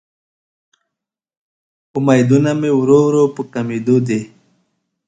امیدونه مې ورو ورو په کمیدو دې